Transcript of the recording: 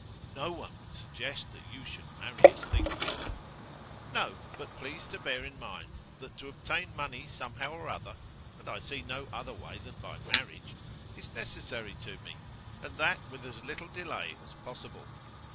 'No one would suggest that you should marry as things are.' 'No; but please to bear in mind that to obtain money somehow or other and I see no other way than by marriage is necessary to me, and that with as little delay as possible.